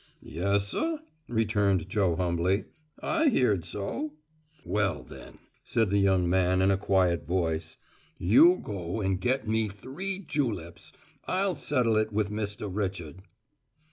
"Yessuh," returned Joe humbly. "I heerd so." "Well, then," said the young man in a quiet voice, "you go and get me three juleps. I'll settle it with Mr. Richard."